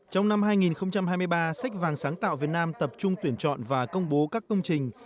trong năm hai nghìn hai mươi ba sách vàng sáng tạo việt nam tập trung tuyển chọn và công bố các công trình